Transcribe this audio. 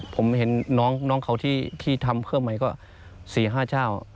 ผมเห็นน้องเขาที่ทำเพิ่มใหม่ก็๔๕เจ้า